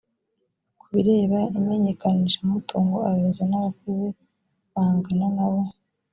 ku bireba imenyekanishamutungo abayobozi n abakozi bangana nabo